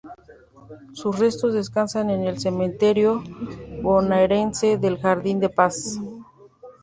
Sus restos descansan en el cementerio bonaerense de Jardín de Paz.